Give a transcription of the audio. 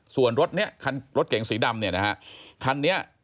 ส่วนรถเนี้ยคันรถเก๋งสีดำเนี่ยนะฮะคันนี้